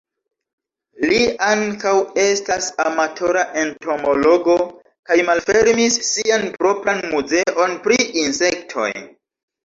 Li ankaŭ estas amatora entomologo kaj malfermis sian propran muzeon pri insektoj.